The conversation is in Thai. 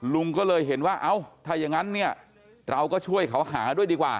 ลุงก็เลยเห็นว่าเอ้าถ้าอย่างนั้นเนี่ยเราก็ช่วยเขาหาด้วยดีกว่า